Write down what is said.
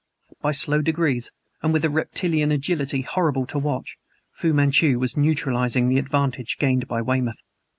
By slow degrees, and with a reptilian agility horrible to watch, Fu Manchu was neutralizing the advantage gained by Weymouth.